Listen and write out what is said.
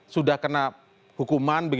sudah kena hukuman